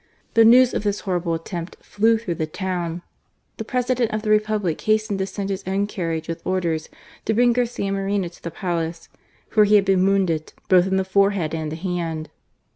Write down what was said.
The news of this horrible attempt flew through the town. The President of the Republic hastened to send his own carriage with orders to bring Garcia Moreno to the Palace, for he had been wounded both in the forehead and the hand.